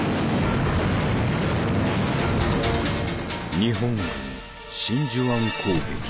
日本軍真珠湾攻撃。